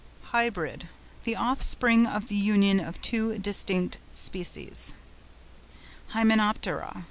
HYBRID.—The offspring of the union of two distinct species. HYMENOPTERA.